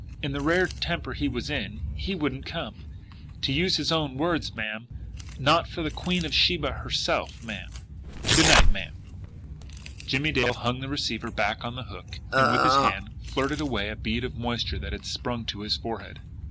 "In the rare temper he was in, he wouldn't come, to use his own words, ma'am, not for the Queen of Sheba herself, ma'am. Good night, ma'am." Jimmie Dale hung the receiver back on the hook and with his hand flirted away a bead of moisture that had sprung to his forehead.